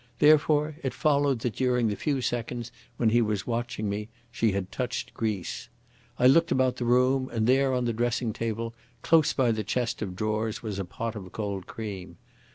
Therefore it followed that during the few seconds when he was watching me she had touched grease. I looked about the room, and there on the dressing table close by the chest of drawers was a pot of cold cream.